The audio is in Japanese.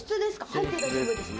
入って大丈夫ですか？